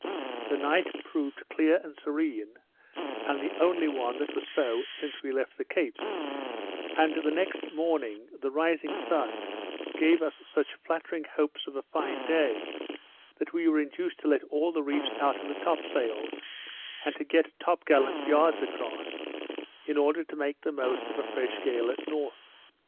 The night proved clear and serene, and the only one that was so since we left the Cape; and the next morning the rising sun gave us such flattering hopes of a fine day, that we were induced to let all the reefs out of the top sails, and to get top gallant yards across, in order to make the most of a fresh gale at north.